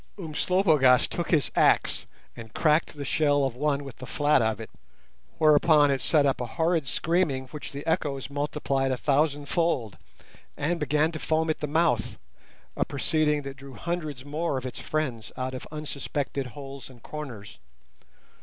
Umslopogaas took his axe and cracked the shell of one with the flat of it, whereon it set up a horrid screaming which the echoes multiplied a thousandfold, and began to foam at the mouth, a proceeding that drew hundreds more of its friends out of unsuspected holes and corners.